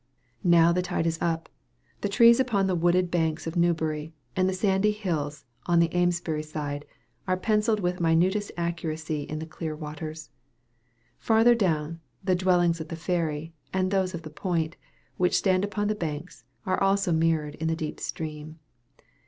Now the tide is up the trees upon the wooded banks of Newbury, and the sandy hills upon the Amesbury side, are pencilled with minutest accuracy in the clear waters. Farther down, the dwellings at the Ferry, and those of the Point, which stand upon the banks, are also mirrored in the deep stream.